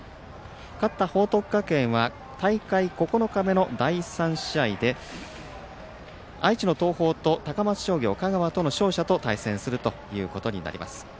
勝った報徳学園は大会９日目の第３試合で愛知の東邦と香川の高松商業の勝者と対戦するということになります。